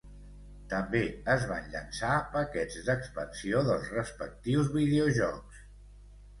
També es van llançar paquets d'expansió dels respectius videojocs.